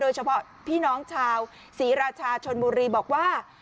โดยเฉพาะพี่น้องชาวศรีราชาชนบุรีบอกว่า